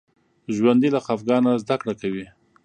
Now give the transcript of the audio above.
ژوندي له خفګانه زده کړه کوي